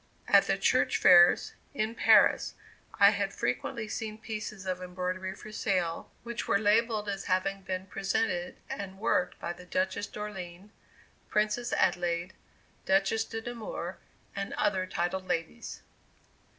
At the church fairs in Paris, I had frequently seen pieces of embroidery for sale, which were labelled as having been presented and worked by the Duchess d'Orleans, Princess Adelaide, Duchess de Nemours, and other titled ladies.